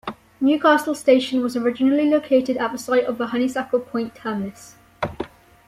Newcastle station was originally located at the site of the Honeysuckle Point Terminus.